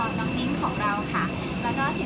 อย่างไรก็อย่าลืมเป็นกำลังใจให้ทุกคนด้วยนะคะ